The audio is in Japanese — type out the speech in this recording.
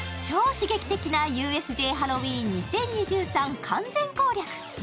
刺激的名ＵＳＪハロウィーン２０２３完全攻略。